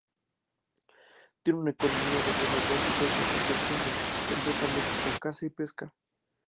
Tiene una economía de granos básicos y autoconsumo, complementada con caza y pesca.